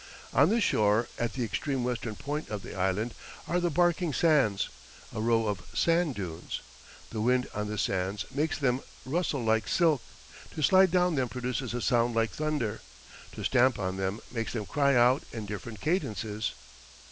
On the shore, at the extreme western point of the island, are the Barking Sands, a row of sand dunes. "The wind on the sands makes them rustle like silk; to slide down them produces a sound like thunder; to stamp on them makes them cry out in different cadences."